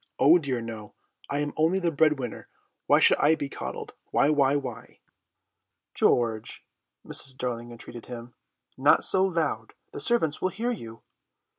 Oh dear no! I am only the breadwinner, why should I be coddled—why, why, why!" "George," Mrs. Darling entreated him, "not so loud; the servants will hear you."